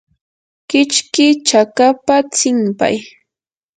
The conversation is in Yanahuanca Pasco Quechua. kichki chakapa tsinpay.